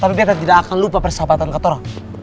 tapi bete tidak akan lupa persahabatan katoro